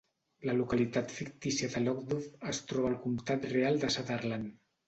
La localitat fictícia de Lochdubh es troba al comtat real de Sutherland.